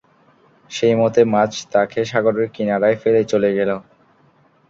সেই মতে মাছ তাঁকে সাগরের কিনারায় ফেলে চলে গেল।